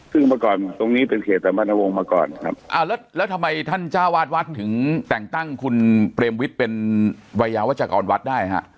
สึกมันคลั่งตรงนี้เป็นเพียรสัมพันธวรรษมันตัววงมาก่อนครับลัดแล้วทำไมท่านจ้าวาทวัดถึงแต่งตั้งคุณเป็นไวยาวาชกรวัดได้ฮะ